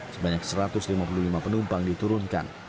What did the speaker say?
sebanyak satu ratus lima puluh lima penumpang diturunkan